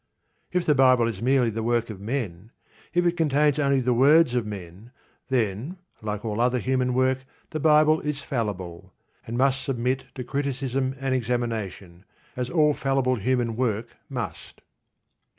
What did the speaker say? If the Bible is merely the work of men, if it contains only the words of men, then, like all other human work, the Bible is fallible, and must submit to criticism and examination, as all fallible human work must.